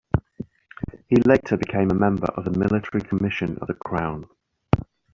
He later became a member of the Military Commission of the Crown.